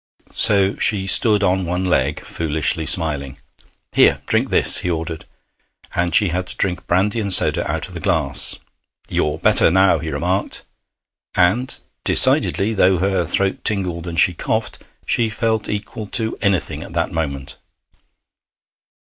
So she stood on one leg, foolishly smiling. 'Here, drink this,' he ordered, and she had to drink brandy and soda out of the glass. 'You're better now,' he remarked; and decidedly, though her throat tingled and she coughed, she felt equal to anything at that moment.